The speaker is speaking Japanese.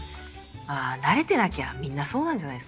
まあ慣れてなきゃみんなそうなんじゃないっすか？